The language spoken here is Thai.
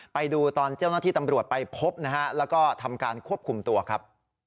ไปดูตอนเจ้าหน้าที่ตำรวจไปพบนะฮะแล้วก็ทำการควบคุมตัวครับ